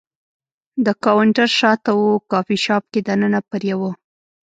د کاونټر شاته و، کافي شاپ کې دننه پر یوه.